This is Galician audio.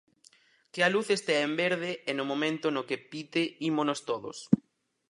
Que a luz estea en verde e no momento no que pite, ímonos, todos.